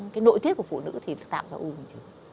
cái nội tiết của phụ nữ thì tạo ra u bằng trứng